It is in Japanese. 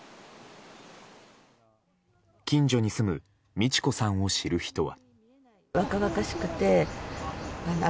近所に住む路子さんを知る人は。